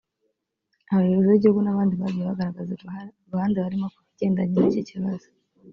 abayobozi b’ibihugu n’abandi bagiye bagaragaza uruhande barimo ku bigendanye n’iki kibazo